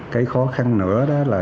cái khó khăn nữa là